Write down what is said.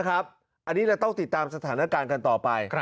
อันนี้เราต้องติดตามสถานการณ์กันต่อไป